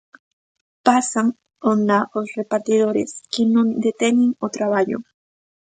Pasan onda os repartidores, que non deteñen o traballo.